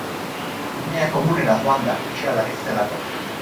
Umea komunera joan da pixalarri zelako.